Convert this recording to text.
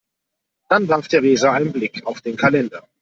Dann warf Theresa einen Blick auf den Kalender.